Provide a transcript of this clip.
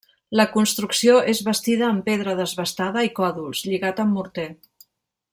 La construcció és bastida amb pedra desbastada i còdols, lligat amb morter.